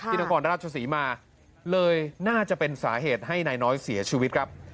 นครราชศรีมาเลยน่าจะเป็นสาเหตุให้นายน้อยเสียชีวิตครับ